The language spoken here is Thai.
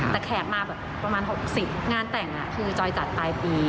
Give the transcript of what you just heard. แต่แขกมาแบบประมาณ๖๐งานแต่งคือจอยจัดปลายปี